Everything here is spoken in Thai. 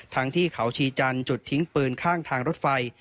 ที่เขาชีจันทร์จุดทิ้งปืนข้างทางรถไฟ